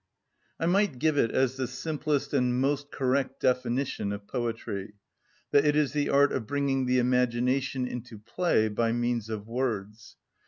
I might give it as the simplest and most correct definition of poetry, that it is the art of bringing the imagination into play by means of words.